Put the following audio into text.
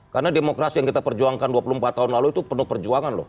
karena demokrasi yang kita perjuangkan dua puluh empat tahun lalu itu penuh perjuangan loh